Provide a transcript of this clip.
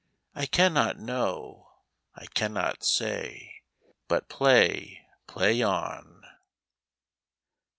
I cannot know. I cannot say. But play, play on.